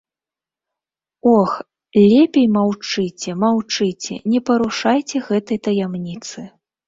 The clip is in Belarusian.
Ох, лепей маўчыце-маўчыце, не парушайце гэтай таямніцы.